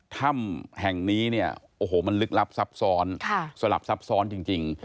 ถ้ำแห่งนี้เนี่ยโอ้โหมันลึกลับซับซ้อนสลับซับซ้อนจริง